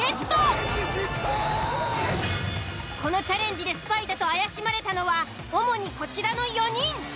このチャレンジでスパイだと怪しまれたのは主にこちらの４人。